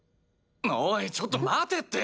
おいちょっと待てって！